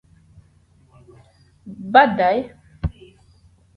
Baada ya visiki na magugu yote kuondolewa